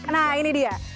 nah ini dia